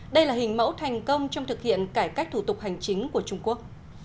đây là hình mẫu thành công trong thực hiện cải cách thủ tục hành chính của trung quốc